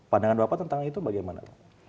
pandangan bapak tentang itu bagaimana pak